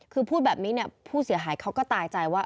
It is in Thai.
คือพูดแบบนี้เนี่ยผู้เสียหายเขาก็ตายใจว่า